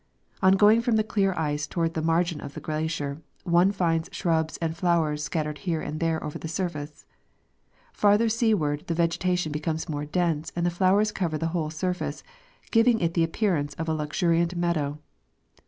On going from the clear ice toward the margin of the glacier one finds shrubs and flowers scattered here and there over the surface. Farther sea ward the vegetation becomes more dense and the flowers cover the whole surface, giving it the appearance of a luxuriant meadow.